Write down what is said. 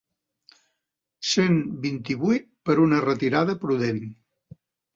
Cent vint-i-vuit per una retirada prudent.